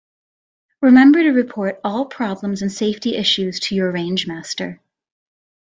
Remember to report all problems and safety issues to you range master.